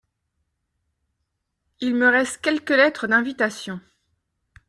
Il me reste quelques lettres d’invitation.